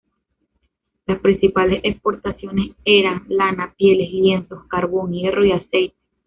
Las principales exportaciones eran lana, pieles, lienzos, carbón, hierro y aceite.